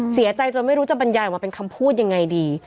เสียใจจนไม่รู้จะบรรยายออกมาเป็นคำพูดยังไงดี